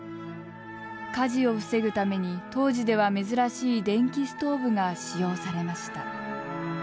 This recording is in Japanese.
火事を防ぐために当時では珍しい電気ストーブが使用されました。